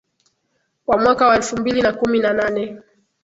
kwa mwaka wa elfu mbili na kumi na nane